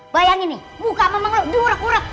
bayangin nih muka mama lo diurak urak